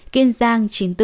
kiên giang chín mươi bốn